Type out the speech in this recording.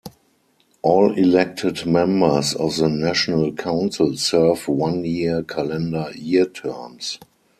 All elected members of the National Council serve one-year calendar year terms.